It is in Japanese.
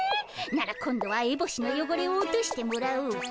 なら今度はエボシのよごれを落としてもらおうか。